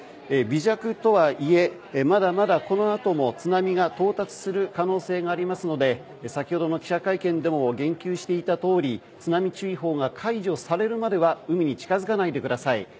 微弱とはいえ、まだまだこのあとも津波が到達する可能性がありますので先ほどの記者会見でも言及していたとおり津波注意報が解除されるまでは海に近づかないでください。